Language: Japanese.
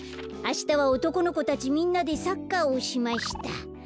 あしたは「おとこの子たちみんなでサッカーをしました」。